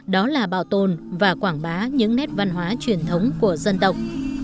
đó là bảo tồn và quảng bá những nét văn hóa truyền thống của dân tộc